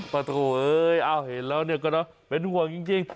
ประตูเอ้ยเอ้าเห็นแล้วเนี่ยก็เนาะเป็นห่วงจริงจริง